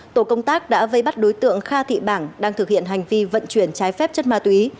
tổ công tác đã vây bắt đối tượng kha thị bảng đang thực hiện hành vi vận chuyển trái phép chất ma túy